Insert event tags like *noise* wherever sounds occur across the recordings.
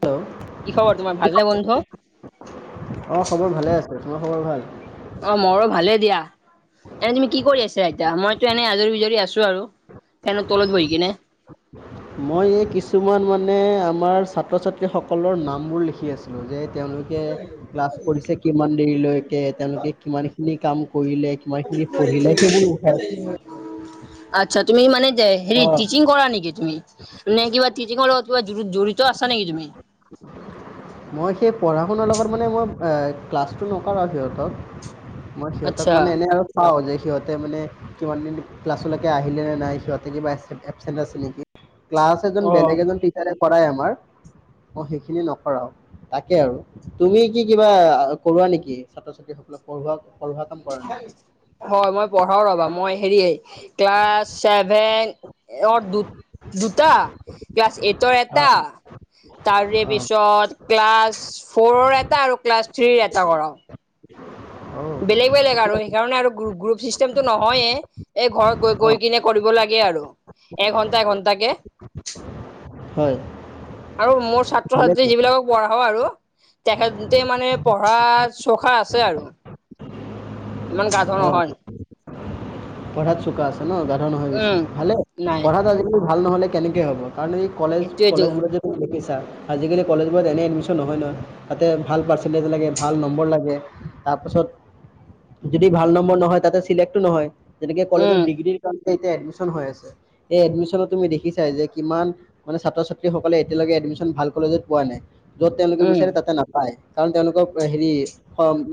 Hello কি খবৰ তোমাৰ কি ক ভালনে অ' বন্ধু? *unintelligible* প্ৰথমা খবৰ ভাল অ', মৰো ভালে দিয়া এনে তুমি কি কৰি আছা আতা মইতো এনেই আজৰি বিজৰি আছো আৰু ফেনৰ তলত বহি কিনে মই এই কিছুমান মানে আমাৰ ছাত্ৰ ছাত্ৰীসকলৰ নামবোৰ লিখি আছিলোঁ যে তেওঁলোকে ক্লাছ কৰিছে কিমান দেৰিলৈকে তেওঁলোকে কিমানখিনি কাম কৰিলে কিমানখিনি পঢ়িলে কেৱোৰ উঠাই আছ তোমই *unintelligible* আচ্ছা তুমি মানে যে হেৰি অঁ টিচিং কৰা নেকি তুমি নে কিবা টিচিংৰ লগত কিবা জড়িত আছা নেকি তুমি মই সেই পঢ়া আপোনাৰ লগত মানে মই ক্লাছটো নকৰো আৰু সিহঁতক মই সিহঁতক আচ্ছা মানে এনেই আৰু চাওঁ যে সিহঁতে মানে কিমানদিন ক্লাছলৈকে আহিলে নে নাই সিহঁতে কিবা এ এবচেণ্ট আছে নেকি ক্লাছ এজন অ। বেলেগ এজন টিচাৰে কৰাই আমাৰ অ *unintelligible* সেইখিনি নকৰাও তাকে আৰু তুমি কি কিবা কৰোৱা নেকি ছাত্ৰ ছাত্ৰী সকলক পঢ়োৱা পঢ়োৱা কাম কৰা নেকি? মই পঢ়াও ৰবা মই হেৰি ক্লাছ *unintelligible* েনৰ *unintelligible* দু দুটা ক্লাছ এইটৰ অ এটা তাৰে অ পিছত ক্লাছ ফ'ৰৰ এটা আৰু ক্লাছ থ্ৰীৰ এটা কৰাও অ বেলেগ বেলেগ ঠিকে আৰু আছে সেইকাৰণে আৰু গ্ৰুপ চিষ্টেমটো নহয়ে এই ঘৰত গৈ অ গৈ কিনে কৰিব লাগে আৰু এঘণ্টা এঘণ্টা কে হয় আৰু মোৰ ছাত্ৰ-ছাত্ৰী ভালেতো যিবিলাকক পঢ়াও আৰু। তেখেতে মানে পঢ়াত চখা আছে আৰু। ইমান গাধ অ নহয়। পঢ়াত চোকা আছে ন গাধ নহয় বেছি উম ভালে নাই পঢ়াত আজিকালি ভাল নহলে কেনেকৈ হ'ব কাৰণ এই কলেজ সেইটোয়েতো কলেজবোৰত যদি *unintelligible* দেখিছা। আজিকালি কলেজবোৰত এনেই এডমিশন নহয়, নহয় তাতে ভাল পাৰ্চেন্টেজ লাগে ভাল নম্বৰ লাগে। তাৰপাছত যদি ভাল নম্বৰ নহয় তাতে চিলেক্ট নহয় যেনেকে কলেজত উম ডিগ্ৰী। এতিয়া এডমিশন হৈ আছে এই এডমিশনত তুমি দেখিছাই যে কিমান মানে ছাত্ৰ ছাত্ৰী সকলে এতিয়ালৈকে ন *unintelligible* ভাল কলেজত পোৱা নাই য'ত তেওঁলোকে উম বিচাৰে তাতে নাপায়। কাৰণ তেওঁলোকৰ হেৰি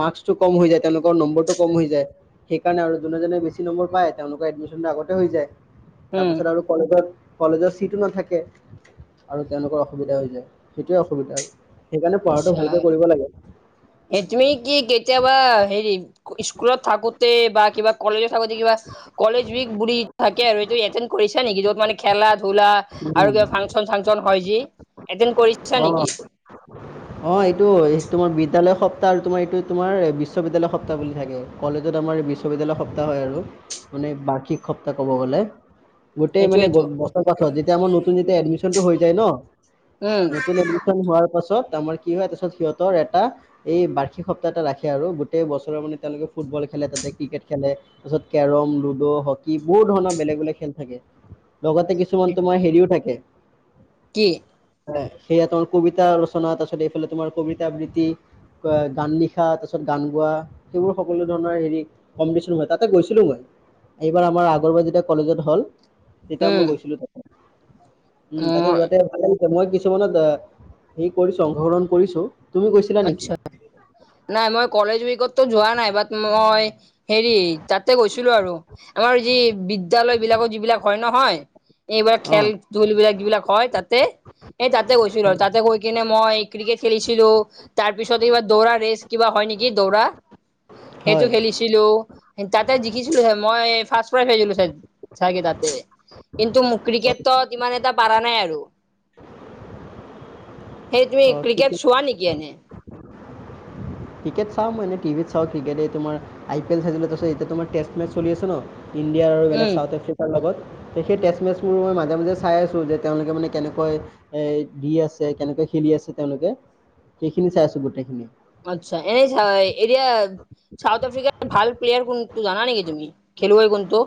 মাৰ্কচটো কম হৈ যায় তেওঁলোকৰ নম্বৰটো কম হৈ যায় সেইকাৰণে আৰু। যিজনে *unintelligible* বেছি নম্বৰ পায় তেওঁলোকৰ এডমিশন আগতে হৈ যায় উম তাৰপাছত আৰু কলেজত কলেজৰ ছিটো নাথাকে আৰু তেওঁলোকৰ অসুবিধা হৈ যায় সেইটোৱে অসুবিধা আৰু। মানে পঢ়াটো ভালকে কৰিব লাগে। হয়। *inaudible* তুমি কি কেতিয়াবা হেৰি স্কুলত থাকোতে বা কিবা কলেজত থাকোতে কিবা কলেজ বুলি থাকে আৰু এইটো এটেন্দ কৰিছা নেকি য'ত মানে খেলা ধূলা আৰু উম। কিবা ফাংচন চাংচন হয় যি এটেন্দ কৰিছা নেকি? অ এইটো সোমাৰ *unintelligible* বিদ বিদ্যালয় সপ্তাহ আৰু তোমাৰ এইটো তোমাৰ বিশ্ববিদ্যালয় সপ্তাহ বুলি থাকে কলেজত আমাৰ বিশ্ববিদ্যালয় সপ্তাহ হয় আৰু। মানে বাৰ্ষিক সপ্তাহ ক'ব গ'লে। গোটেই মানে সেইটোৱেটো বছৰ পাছত যেতিয়া আমাৰ নতুন যেতিয়া এডমিচন টো হৈ যায় ন। উম নতুন এডমিশন হোৱাৰ পাছত। আমাৰ কি হয় তাৰ পিছত সিহঁতৰ এটা এই বাৰ্ষিক সপ্তাহ এটা ৰাখে আৰু গোটেই বছৰৰ মানে তেওঁলোকে ফুটবল খ খেলে তাতে ক্ৰিকেট খেলে তাৰপিছত কেৰম। লুডো হকী বহুত ধৰণৰ বেলেগ বেলেগ খেল থাকে লগতে কিছুমান তোমাৰ হেৰিও থাকে কি? সেপয়া *unintelligible* তোমাৰ *unintelligible* কবিতা ৰচনা তাৰ পিছত এইফালে তোমাৰ কবিত আবৃত্তি। গান লিখা তাৰ পিছত গান গোৱা সেইবোৰ সকলো ধৰণৰ হেৰি কম্পিটিশন হয় তাতে গৈছিলো মই। এইবাৰ আমাৰ আগৰবাৰ যেতিয়া কলেজত হ'ল তেতিয়া উম মই গৈছিলো তাতে। উম, অ তাতে যোৱাতে ভাল লাগিছে, মই কিছুমানত অ' হে কৰিছো অংশগ্ৰহণ কৰিছোঁ। তুমি গৈছিলা নেকি? আচ্ছা নাই মই কলেজ উইকতো যোৱা নাই বাট মই হেৰি তাতে গৈছিলোঁ আৰু আমাৰ যি বিদ্যালয় বিলাকৰ যিবিলাক হয় নহয়। এইবিলাক অঁ খেল ধূলবিলাক যিবিলাক হয় তাতে এই তাতে গৈছিলোঁ আৰু তাতে গৈ কিনে মই ক্ৰিকেট খেলিছিলোঁ। তাৰপিছত এইবাৰ দৌৰা ৰেচ কিবা হয় নেকি? দৌৰা। হয় সেইটো খেলিছিলোঁ তাতে জিকিছিলোঁ আৰু মই ফাৰ্ষ্ট প্ৰাইজ পাইছিলোঁ চাগে তাতে। কিন্তু, মোক ক্ৰিকেটত ইমান এটা পাৰা নাই আৰু সেইটোৱে অঁ ক্ৰিকেট চোৱা নেকি এনে? ক্ৰিকেট চাওঁ মই এনে টিভিত চাওঁ ক্ৰিকেট তোমাৰ আই পি এ চাইছিলোঁ তাৰপিছত এতিয়া তোমাৰ টেষ্ট মেচ চলি আছে ন ইণ্ডিয়াৰ আৰু বেলেগ উম চাউথ আফ্ৰিকাৰ লগত। সেই টেষ্ট মেচ মোৰো মই মাজে মাজে চাই আছো যে তেওঁলোকে মানে কেনেকৈ এ দি আছে কেনেকৈ খেলি আছে তেওঁলোকে খিনি চাই আছোঁ গোটেইখিনিয়ে। আচ্ছা এই চাহ এতিয়া চাউথ আফ্ৰিকাৰ ভাল প্লেয়াৰ কোনটো জানা নেকি তুমি? খেলুৱাই কোনটো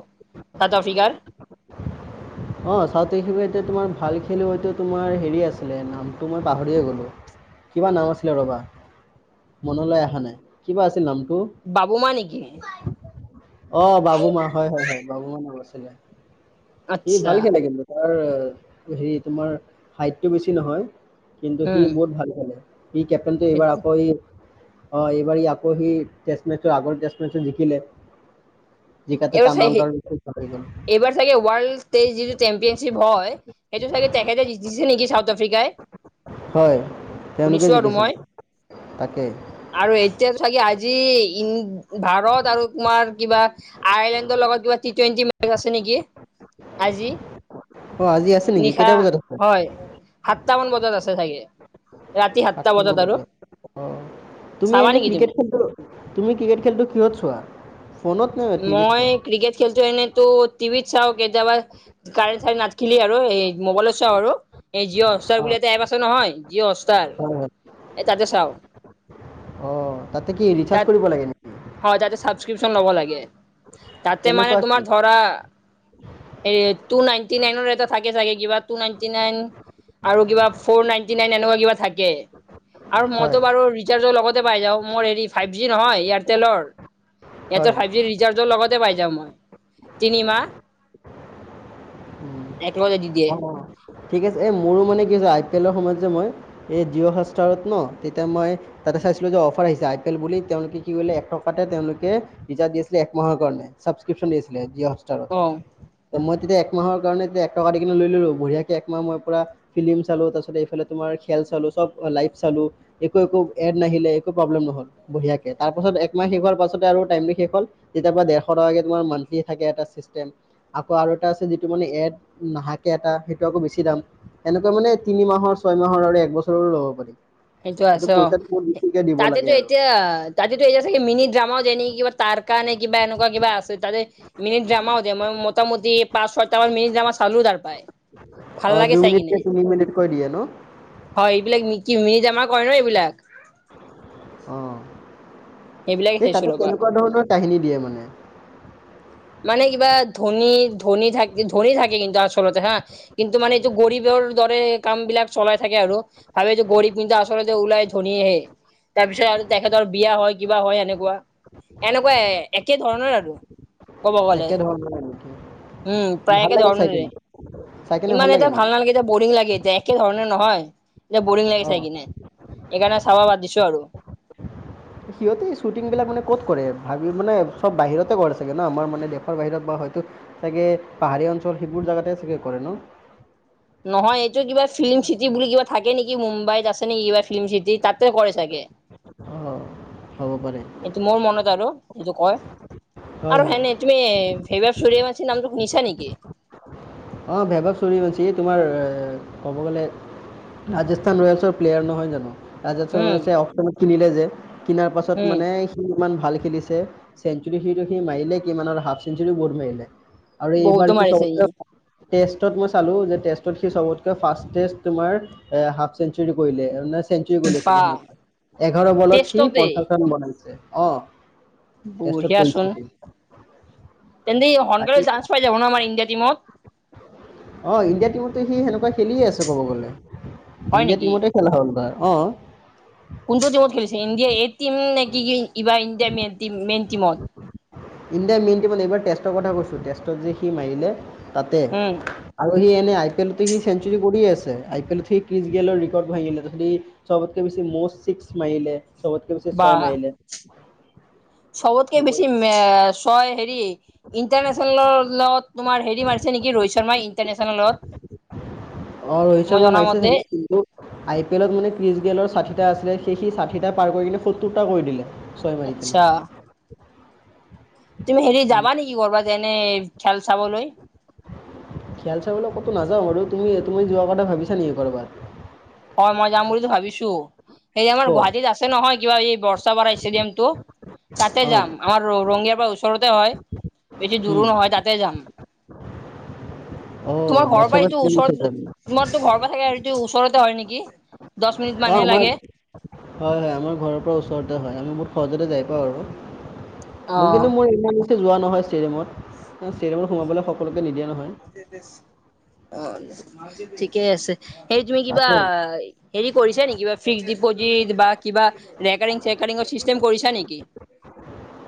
চাউথ আফ্ৰিকাৰ। অঁ চাউথ আফ্ৰিকাৰ তোমাৰ ভাল খেলোৱাইটো তোমাৰ হেৰি তোমাৰ হেৰি আছিলে নামটো মই পাহৰিয়ে গলোঁ। কিবা নাম আছিলে ৰবা মনলৈ অহা নাই কিবা আছিল নামটো। বাবু মা নেকি? অ' বাবু মা হয়, হয়, হয় বাবু মা নাম আছিলে সি আচ্ছা ভাল খেলে কিন্তু। তাৰ হেৰি তোমাৰ হাইটটো বেছি নহয়। কিন্তু সি উম বহুত ভাল খেলে‌। ই কেপ্টনটো এইবাৰ আকৌ ই অ' এইবাৰ আকৌ সি টেচমেচত আগৰ টেচমেচত জিকিলে। যিকাতে এইবাৰ তাৰ চাই নামটা বেছি ওচৰে। এইবাৰ চাগে ৱৰ্ল্ড টে যিটো চেম্পিয়নশ্বিপ হয়, সেইটো চাগে তেহেতে জিকিছে নেকি চাউথ আফ্ৰ বিগাই হয়, তেওঁলোকে জিকিছিল। আৰু এতিয়া চাগে আজি ই ভাৰত আৰু তোমাৰ আইলেণ্ডৰ লগত কিবা টি টুৱেণ্টি মেচ আছে নেকি আজি। অ আজি আছে নেকি নিশা কেইটা বজাত আছে হয়, সাতটামান বজাত আছে চাগে ৰাতি সাতটা আকৌ ন আৰু বজাত অ' তুমি চাবা এনে নেকি তুমি? ক্ৰিকেট খেলটো তুমি ক্ৰিকেট খেলটো কিহত চোৱা। ফোনত নে টিভিত মই চোৱা ক্ৰিকেট খেলটো এনেইতো টিভিত চাওঁ, কেতিয়াবা কাৰেণ্ট চাইণ্ট নাথাকিলে আৰু এই মোবাইলত চাওঁ আৰু এই জিঅ' হটষ্টাৰ অ বুলি এটা এপ আছে নহয় জিঅ' হটষ্টাৰ হয় এই তাতে চাওঁক। হয় অ তাতে কি ৰিচাৰ্জ তাত কৰিব লাগে নেকি অ' তাতে চাবকিউচন ল'ব লাগে। তাতে মানে কেনেকুৱা কি তোমাৰ ধৰা এই টু নাইনটি নাইন এটা থাকে চাগে কিবা। টু নাইটি নাইন আৰু কিবা ফৌৰ নাইনটি নাইন এনেকা কিবা থাকে। আৰু মইতো হয় বাৰু ৰিচাৰ্জৰ লগতে পাই যাওঁ, মোৰ হেৰি ফাইভ জি নহয়, এয়াৰটেলৰ ইয়াতে হয় ফাইভ জিৰ ৰিচাৰ্জৰ লগতে পাই যাওঁ মই। উম, তিনিমাহ। একেলগে দি দিয়ে। অ অ ঠিক আছে, এই মোৰো মানে কি হৈছে আই পি এলৰ সময়ত যে, মই এই জিঅ' হষ্টাৰত ন' তেতিয়া মই তাতে চাইছিলোঁ যে, অফাৰ আহিছে আই পি এল বুলি তেওঁলোকে কি কৰিলে এক টকাতে তেওঁলোকে ৰিচাৰ্জ দিছিলে এক মাহৰ কাৰণে চাবক্ৰিপচন দি আছিলে জিঅ' *unintelligible* অ'। ত' মই তেতিয়া একমাহৰ কাৰণে এক টকা দি কেনে লৈ ল'লো বঢ়িয়াকে একমাহ মই পুৰা ফিল্মিম চালোঁ, তাৰপিছত এইফালে তোমাৰ খেল চালোঁ, চব লাইভ চালোঁ, একো, একো এড নাহিলে প্ৰব্লেম নহ'ল, বঢ়িয়াকে তাৰ পাছত একমাহ শেষ হোৱাৰ পাছত আৰু ট শষ হ'ল যেতি দেৰশ টোৰ *inaudible* থাকে এটা চিষ্টেম আকৌ আৰু এটা আছে যিটো মানে এড নাহাকে এটা সেইটো আকৌ বেছি দাম। এনেকুৱা মানে তিনি মাহৰ ছয় মাহৰ আৰু এক বছৰৰো ল'ব পাৰিম। সেইটো আছে অ'। লাগে তাতেতো আৰু এতিয়া অ, তাতেতো এতিয়া চাগে মিনি ড্ৰামাও যাই নেকি কিবা তাৰ কাৰণে কিবা এনেকুৱা কিবা আছে তাতে মিনিট ড্ৰামাও দে মই মোটামুটি পাঁচ, ছয়টা মান মিনিট ড্ৰামা চালো তাৰ পায়। অ, দুই মিনিট কে তিনি মিনিট কৈ দিয়ে ন' হয় এইবিলাক মিকি মিনি জামা কৰে ন' এইবিলাক। অ', সেইবিলাকে এই চাইছো তাতো ৰ'বা কেনেকুৱা ধৰণৰ কাহিনী দিয়ে মানে। মানে কিবা ধনী-ধনী থাক ধনী থাকে কিন্তু আচলতে হা কিন্তু মানে এইটো গৰীবৰ দৰে কাম বিলাক চলাই থাকে আৰু ভাবে যে গৰিব কিন্তু আচলতে ওলাই ধনীয়েহে। তাৰ পিছত আৰু তেখেতৰ বিয়া হয় কিবা হয় এনেকুৱা। এনেকুৱা এ একে ধৰণৰ আৰু। ক'ব গ'লে একে ধৰণৰ নেকি? উম, প্ৰায় ভাল একে লাগে চাই ধৰণৰে। কিনে চাই কিনে ইমান লাগে এতিয়া ভাল নেকি নালাগে এতিয়া বৰিং লাগে এতিয়া একে ধৰণে নহয় এতিয়া বৰিং লাগে অঁ চাই কিনে। এইকাৰণে চাব বাদ দিছো আৰু। সিহঁতে এই শ্বুটিং বিলাক মানে ক'ত কৰে ভাবি মানে চব বাহিৰতে কৰে চাগে ন' আমাৰ মানে দেশৰ বাহিৰত বা হয় তু চাগে পাহাৰীয়া অঞ্চল সেইবোৰ জাগাতে চাগে কৰে ন? *inaudible* নহয় এইটো কিবা ফিল্ম চিটি বুলি কিবা থাকে নেকি মুম্বাইত আছে নেকি কিবা ফিল্ম চিটি তাতে কৰে চাগে। অঁ হ'ব পাৰে এইটো মোৰ মনত আৰু সেইটো কয়। হয় আৰু হয় সেনে তুমি ভেইভব চুৰিয়া বঞ্চি নামটো শুনিছা নেকি? অ, ভেবৱ চুৰিয়া বঞ্চি এ তোমাৰ ক'ব গ'লে ৰাজস্থান ৰয়েলছৰ প্লেয়াৰ নহয় জানো? ৰাজস্থান উম ৰয়েলচে *unintelligible* কিনিলে যে কিনাৰ পাছত উম মানে সি ইমান ভাল খেলিছে চেন সিটো সি মাৰিলে কিমান আৰু হাফ চেঞ্চুুৰী বওট মাৰিলে আৰু বহুতো এইবাৰ সি মাৰিছে ই চব ষ্ট মই চালো যে েষ্টত সি চবতক ফে তমাৰ এ হাফ চেঞ্চ কৰিলে *inaudible* চেঞ্চী গল আছে বা স এঘাৰ বলত সি টেষ্টতে পঞ্চাশ ৰান বনাইছে অ *inaudible* টেষ্টত বঢ়িয়াচোন কৰিছিল। তেন্তে সোনকালে জান্স পাই যাব ন আমাৰ ইণ্ডিয়া টীমত। অ' ইণ্ডিয়া টিমতো সি সেনেকুৱা খেলিয়ে আছে কব গলে হয় ইণ্ডিয়া নেকি টিমতে খেলা হয়। াৰ অ *inaudible* কোনটো টিমত খেলিছে ইণ্ডিয়া এই টিম নেকি কি ইবাৰ ইণ্ডিয়াৰ মেইন - মেইন টিমত? ইণ্ডিয়াৰ মেইন টিমত এইবাৰ টেষ্টৰ কথা কৈছোঁ টেষ্টত যে সি মাৰিলে। তাতে উম আৰু সেই ই পি এল সিঞ্চী কৰি আছে আই এলত স্ৰ গেলৰ ৰেকৰ্ড ভাঙিলেবতকে বেছি ছিক্স মাইলে। ে বছি বা ছয় মাইলে *inaudible* চবতকে বেছি ছয় হেৰি ইন্টাৰনেচনেলৰ লগত তোমাৰ হ মাৰিছে নেকি ৰোহিত শৰ্মা ইণ্টাৰনেশ্যনেল লগত। অ ৰোহিত শৰ্মা মাৰিছোগে কিু আই পি এলত মানে ক্ৰিচ গেলৰ াঠিটা *inaudible* আছিলে সেই সি ষাঠিটা পাৰ কৰি কিনে সত্তৰটা কৰি দিলে ছয় মাৰি আচ্ছা খিনি। তুমি হেৰি যাবা নেকি কৰবা যেনে খেল চাবলৈ? খিয়াল চাবলৈ ক'তো নাযাওঁ বাৰু তুমি- তুমি যোৱাৰ কথা ভাবিছা নেকি ক'ৰবাত? হয় মই যাম বুলিো ভাবিছো, এই আমাৰ ক'ত গুৱাহাটীত আছে নহয় কিবা এই াৰ ষ্টেডিয়াম টো তাতে অঁ যাম আমাৰ ৰঙিয়াৰ পৰা ওচৰতে হয়। বেছি দৰো নহয় তাতে যাম। অঁ তোমাৰ ঘৰ পৰা বৰ্ষাপাত এইটো ওচৰত তোমাৰতো ঘৰৰ পৰা থাকে আৰুটো ওচৰতে হয় নেকি? দচ মিনিট অঁ মানহে আমাৰ লাগে। হয় হয় আমাৰ ঘৰ ওচৰতে হয়। হয় আমি বহুত সহজতে যাই পাওঁ, আৰু মোৰ অ'। কিন্তু মোৰ যোৱা নহয় ষ্টেডিয়ামত, ষ্টেডিয়ামত সোমাবলৈ সকলো অ', ঠিকেই আছে হে তুমি কিবা হেৰি কৰিছা নেকি বা ফিক্স ডিপজিট বা কিবা ৰেকাৰিং চেকাৰিংৰ চিষ্টেম কৰিছা নেকি? পিকেটিং কৰিলা?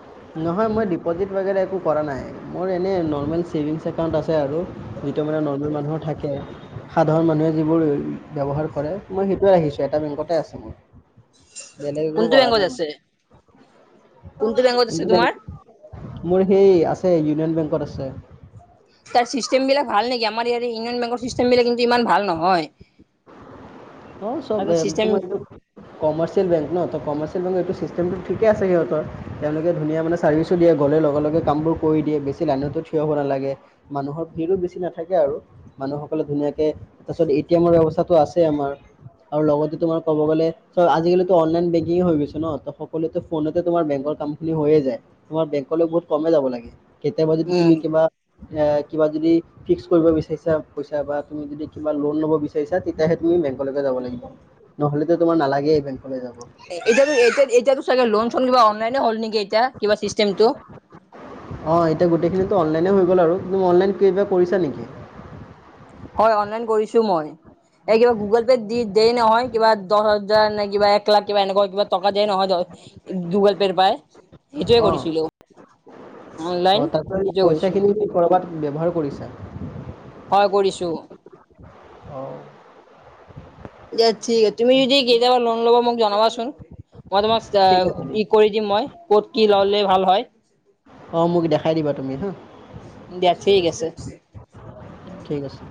নহয় মই ডিপ'জিট বাগেৰে একো কৰা নাই, মোৰ এনেই নৰ্মেল ছেভিংছ একাউণ্ট আছে। আছে আৰু যিটো মানে নৰ্মেল মানুহৰ থাকে, সাধাৰণ মানুহে যিবোৰ ব্যৱহাৰ কৰে। মই সেইটোৱে আহিছো এটা বেংকতে আছে মোৰ, বেলেগ একো কোনটো কৰা বেংকত নাই আছে? মই। কোনটো *unintelligible* বেংকত আছে তোমাৰ? মোৰ সেই আছে আছে ইউনিয়ন বেংকত আছে। তাৰ চিষ্টেম বিলাক ভাল নেকি? আমাৰ ইয়তে ইউনিয়ন বেংকৰ চিষ্টেম বিিলাক কিন্ত ইমান ভাল নহয়। অ', চব আৰু চিষ্টেম তোমাৰ কমাৰ্চিয়েল বেংক ন, ত' কমাৰ্চিয় বেংক এইটো চিষ্টেমটো ঠিকে আছে সিহঁতৰ, তেওঁলোকে ধুনীয়া মানে ছাৰ্ভিছো দিয়ে গ'লে লগে লগে কামবোৰ কৰি দিয়ে বেছি লাইনত থিয় হ'ব নালাগে, মানুহৰ ভিৰো বেছি নাথাকে আৰু, মানুহসকলে ধুনাকে তাৰপিছত এটি ব্যৱস্থা আছে আমাৰ, আৰু লগতে তোমাৰ ক'ব গ'লে চ আজিকালি অনলাইন বেগিং হৈ গৈছে ন, ত ফোনেতে তোমাৰ বেংকৰ কাম হৈয়ে যাই, তমাৰ বেংক বহুত কম যাব লাগে, কেতিয়াবা যদি তুমি উম, কিবা এ কিবা যদি ফিক্স কৰিব বিচাৰিছা পইচা বা তুমি যদি কিবা লোন ল'ব বিচাৰিছা তেতিয়া তুমি বেংকলৈকে যাব লাগিব, নহলেতো তোমাৰ নালাগ বেংকলৈ যাব। এতিয়ো এতিয়া এতিয়াতো চাগে লোন চোন কিবা অনলাইনে হ'ল নেকি এতিয়া কিবা চিষ্টেমটো? অ', এতিয়া গোটেইখিনিতো অনলাইনে হৈ গ'ল আৰু, তুমি অনলাইন কিবা কৰিছা নেকি? হয় অনলাইন কৰিছো মই, এই কিবা গুগল পে দি দিয়েই নহয় কিবা দহ হাজাৰ নে কিবা এক লাখ কিবা এনেকুৱা কিবা টকা দিয়ে নহয় গুগল পে'ৰ পাই। এইটোৱে কৰিছিলো। অনলাইন অ' তাৰ সেইটোৱে কৰিছো পইচাখিনি কৰ'বাত ব্যৱহাৰ কৰিছা? কৰিছোঁ। অঁ দ ঠিক আছে, তুমি যদি কেতিয়াবা লোন ল'বা মোক জনাবাচোন। মই তোমাক ঠিক আছে ই দিয়া। কৰি দিম মই ক'ত কি ললে ভাল হয়। অ' মোক দেখাই দিবা তুমি হা। দিয়া ঠিক আছে। ঠিক আছে।